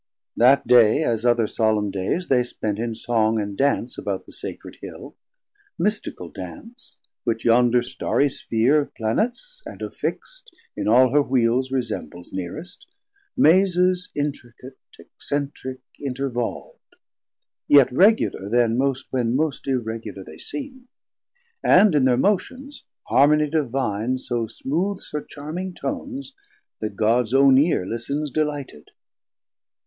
That day, as other solem dayes, they spent In song and dance about the sacred Hill, Mystical dance, which yonder starrie Spheare 620 Of Planets and of fixt in all her Wheeles Resembles nearest, mazes intricate, Eccentric, intervolv'd, yet regular Then most, when most irregular they seem: And in thir motions harmonie Divine So smooths her charming tones, that Gods own ear Listens delighted.